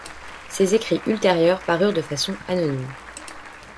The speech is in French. Ses écrits ultérieurs parurent de façon anonyme.